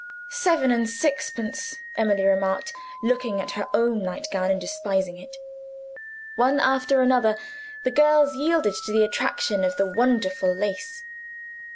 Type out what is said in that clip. "Seven and sixpence," Emily remarked, looking at her own night gown and despising it. One after another, the girls yielded to the attraction of the wonderful lace.